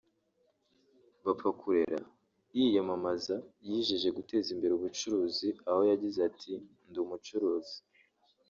Bapfakurera yiyamamaza yijeje guteza imbere ubucuruzi aho yagize ati "Ndi umucuruzi